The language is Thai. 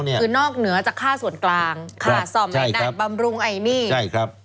คือนอกเหนือจากค่าส่วนกลางค่าส่อมไอดันบำรุงไอหนี้